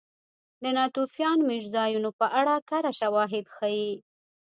د ناتوفیان مېشتځایونو په اړه کره شواهد ښيي